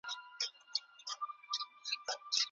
په حنفي مسلک کي د انسانانو ژوند خوندي دی.